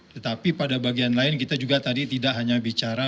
tetapi pada bagian lain kita juga tadi tidak hanya bicara